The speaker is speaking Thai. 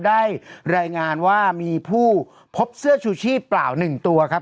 ได้รายงานว่ามีผู้พบเสื้อชูชีพเปล่า๑ตัวครับ